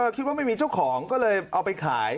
คิดว่าไม่มีเจ้าของก็เลยเอาไปขาย